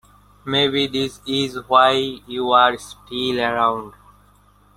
Maybe this is why you're still around.